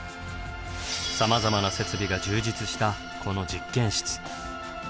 さまざまな設備が充実したこの実験室。